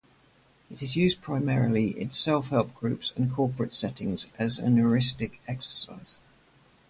It is used primarily in self-help groups and corporate settings as a heuristic exercise.